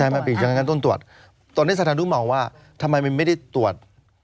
แถมแอนไข้งั้นจัดตรวจตอนนี้สถานดุมองว่าทำไมไม่ได้ตรวจ